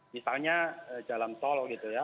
misalnya jalan tol gitu ya